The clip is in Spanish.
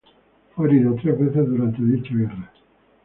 Fue herido tres veces durante dicha guerra.